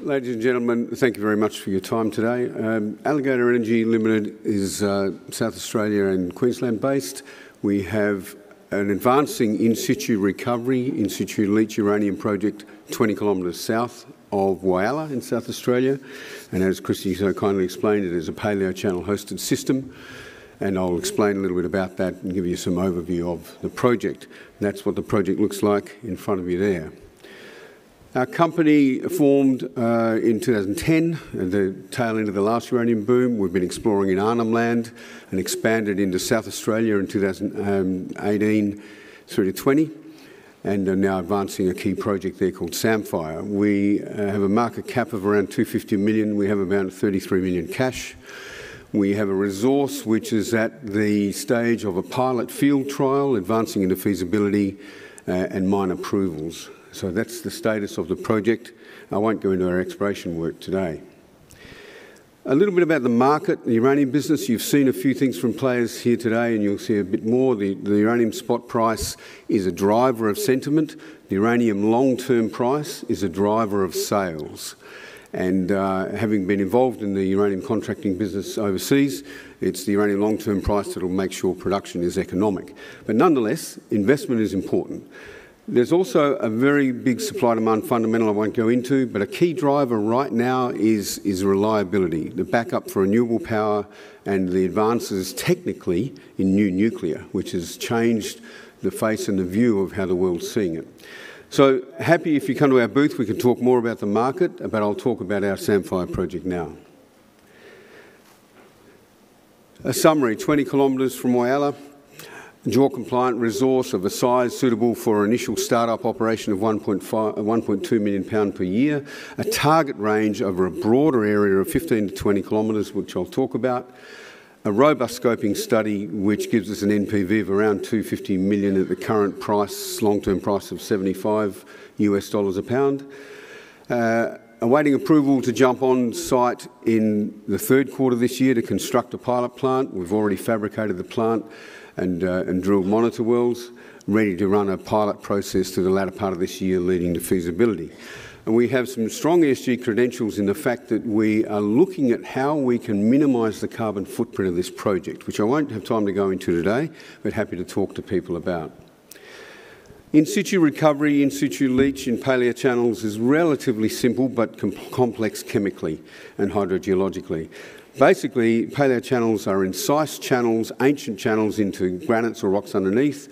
Ladies and gentlemen, thank you very much for your time today. Alligator Energy Limited is South Australia and Queensland-based. We have an advancing in-situ recovery, in-situ leach uranium project 20 kilometers south of Whyalla in South Australia, and as Christie so kindly explained, it is a paleochannel hosted system. I'll explain a little bit about that and give you some overview of the project. That's what the project looks like in front of you there. Our company formed in 2010, at the tail end of the last uranium boom. We've been exploring in Arnhem Land and expanded into South Australia in 2018 through to 2020, and are now advancing a key project there called Samphire. We have a market cap of around 250 million. We have around 33 million cash. We have a resource which is at the stage of a pilot field trial, advancing into feasibility and mine approvals. So that's the status of the project. I won't go into our exploration work today. A little bit about the market, the uranium business. You've seen a few things from players here today, and you'll see a bit more. The uranium spot price is a driver of sentiment. The uranium long-term price is a driver of sales. And having been involved in the uranium contracting business overseas, it's the uranium long-term price that'll make sure production is economic. But nonetheless, investment is important. There's also a very big supply-demand fundamental I won't go into, but a key driver right now is reliability, the backup for renewable power, and the advances, technically, in new nuclear, which has changed the face and the view of how the world's seeing it. So happy if you come to our booth we can talk more about the market, but I'll talk about our Samphire project now. A summary: 20 kilometers from Whyalla. JORC-compliant resource of a size suitable for an initial start-up operation of 1.2 million pounds per year. A target range of a broader area of 15-20 kilometers, which I'll talk about. A robust scoping study which gives us an NPV of around $250 million at the current price, long-term price of $75 USD a pound. Awaiting approval to jump on site in the third quarter this year to construct a pilot plant. We've already fabricated the plant and drilled monitor wells, ready to run a pilot process through the latter part of this year leading to feasibility. And we have some strong ESG credentials in the fact that we are looking at how we can minimize the carbon footprint of this project, which I won't have time to go into today, but happy to talk to people about. In-situ recovery, in-situ leach in paleochannels is relatively simple but complex chemically and hydrogeologically. Basically, paleochannels are incised channels, ancient channels into granites or rocks underneath,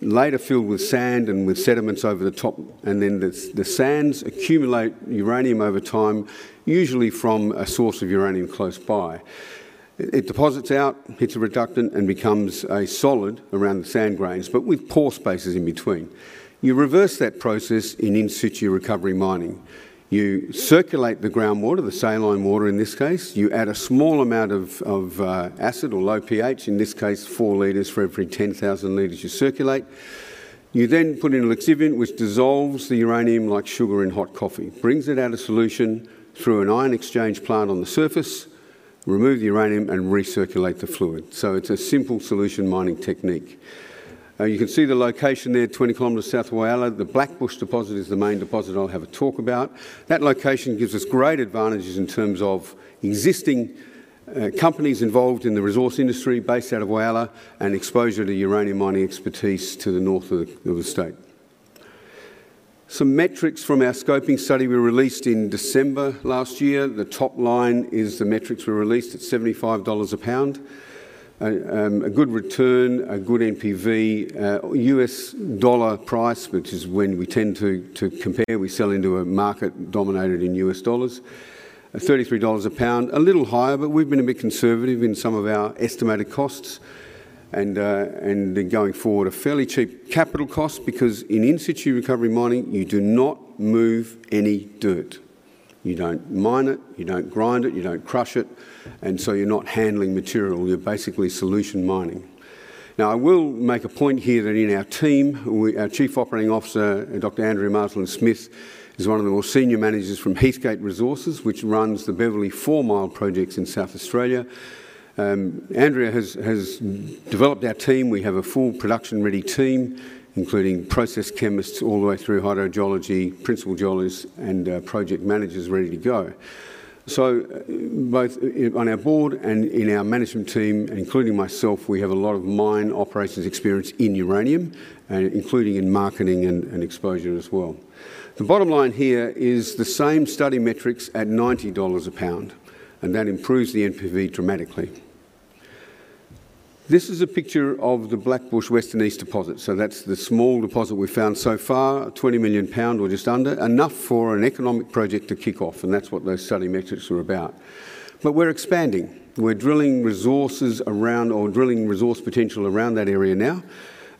later filled with sand and with sediments over the top. And then the sands accumulate uranium over time, usually from a source of uranium close by. It deposits out, hits a reductant, and becomes a solid around the sand grains, but with pore spaces in between. You reverse that process in in-situ recovery mining. You circulate the groundwater, the saline water in this case. You add a small amount of acid or low pH, in this case four liters for every 10,000 liters you circulate. You then put in a lixiviant which dissolves the uranium like sugar in hot coffee, brings it out of solution through an ion exchange plant on the surface, remove the uranium, and recirculate the fluid. So it's a simple solution mining technique. You can see the location there, 20 kilometers south of Whyalla. The Blackbush deposit is the main deposit I'll have a talk about. That location gives us great advantages in terms of existing companies involved in the resource industry based out of Whyalla and exposure to uranium mining expertise to the north of the state. Some metrics from our scoping study we released in December last year. The top line is the metrics we released at $75 a pound. A good return, a good NPV. US dollar price, which is when we tend to compare. We sell into a market dominated in US dollars. $33 a pound. A little higher, but we've been a bit conservative in some of our estimated costs. And going forward, a fairly cheap capital cost because in in-situ recovery mining you do not move any dirt. You don't mine it. You don't grind it. You don't crush it. And so you're not handling material. You're basically solution mining. Now, I will make a point here that in our team, our Chief Operating Officer, Dr. Andrea Marsland-Smith, is one of the more senior managers from Heathgate Resources, which runs the Beverley Four Mile projects in South Australia. Andrea has developed our team. We have a full production-ready team, including process chemists all the way through hydrogeology, principal geologists, and project managers ready to go. So both on our board and in our management team, including myself, we have a lot of mine operations experience in uranium, including in marketing and exposure as well. The bottom line here is the same study metrics at $90 a pound. That improves the NPV dramatically. This is a picture of the Blackbush western-east deposit. So that's the small deposit we've found so far, 20 million pounds or just under. Enough for an economic project to kick off. That's what those study metrics were about. But we're expanding. We're drilling resources around or drilling resource potential around that area now.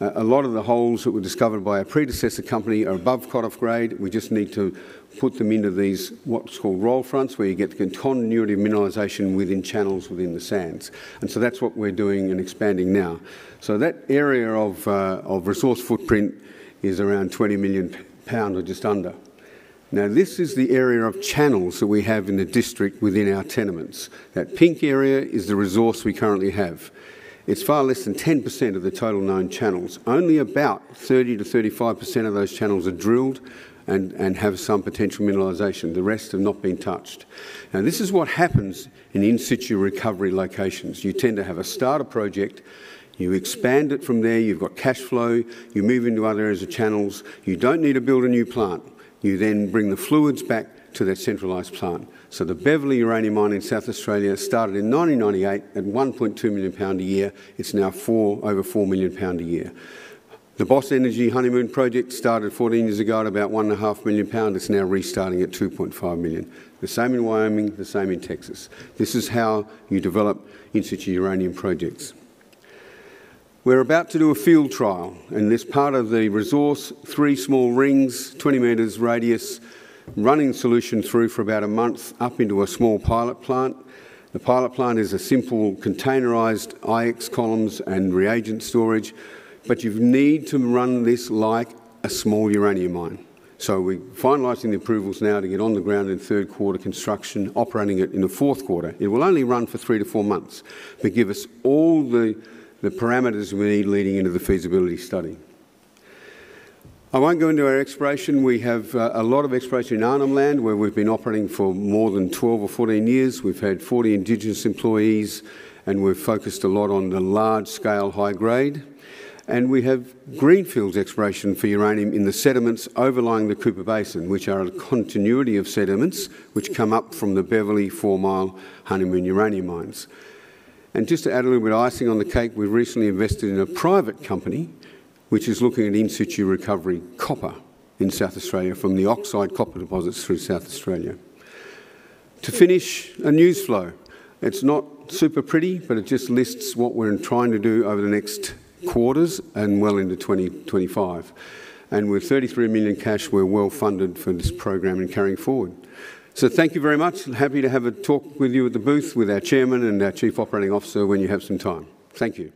A lot of the holes that were discovered by our predecessor company are above cutoff grade. We just need to put them into these what's called roll fronts, where you get the continuity of mineralization within channels within the sands. That's what we're doing and expanding now. So that area of resource footprint is around AUD 20 million or just under. Now, this is the area of channels that we have in the district within our tenements. That pink area is the resource we currently have. It's far less than 10% of the total known channels. Only about 30%-35% of those channels are drilled and have some potential mineralization. The rest have not been touched. And this is what happens in in-situ recovery locations. You tend to have a starter project. You expand it from there. You've got cash flow. You move into other areas of channels. You don't need to build a new plant. You then bring the fluids back to that centralized plant. So the Beverley uranium mine in South Australia started in 1998 at AUD 1.2 million a year. It's now over AUD 4 million a year. The Boss Energy Honeymoon project started 14 years ago at about AUD 1.5 million. It's now restarting at 2.5 million. The same in Wyoming. The same in Texas. This is how you develop in-situ uranium projects. We're about to do a field trial. And this part of the resource, three small rings, 20-meter radius, running solution through for about a month up into a small pilot plant. The pilot plant is a simple containerized IX columns and reagent storage. But you need to run this like a small uranium mine. So we're finalizing the approvals now to get on the ground in third quarter construction, operating it in the fourth quarter. It will only run for three to four months. But give us all the parameters we need leading into the feasibility study. I won't go into our exploration. We have a lot of exploration in Arnhem Land, where we've been operating for more than 12 or 14 years. We've had 40 Indigenous employees. And we've focused a lot on the large-scale, high grade. And we have greenfields exploration for uranium in the sediments overlying the Cooper Basin, which are a continuity of sediments which come up from the Beverley Four Mile Honeymoon uranium mines. And just to add a little bit of icing on the cake, we've recently invested in a private company which is looking at in-situ recovery copper in South Australia from the oxide copper deposits through South Australia. To finish, a news flow. It's not super pretty, but it just lists what we're trying to do over the next quarters and well into 2025. And with 33 million cash, we're well funded for this program and carrying forward. So thank you very much. Happy to have a talk with you at the booth with our chairman and our Chief Operating Officer when you have some time. Thank you.